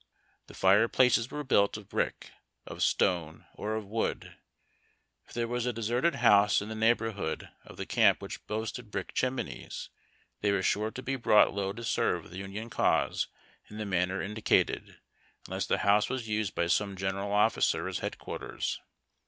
The fire places were built of brick, of stone, or of wood. If there was a deserted house in the neighborhood of the camp which boasted brick chimneys, they were sure to be brought low to serve the Union cause in the manner indi cated, unless the house was used by some general officer as headquarters.